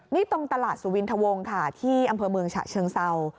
นี่ตรงตลาดสุวินทวงค่ะที่อำเภอเมืองฉะเชิงเศร้า